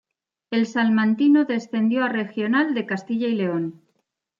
El Salmantino descendió a regional de Castilla y León.